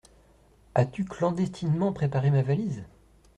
As-tu clandestinement préparé ma valise ?